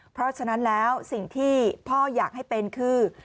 เพราะฉะนั้นแล้วสิ่งที่พ่ออยากให้เป็นคือ